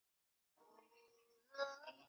与文本相关的其他信息进行标识。